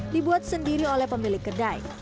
dibuat sendiri oleh pemilik kedai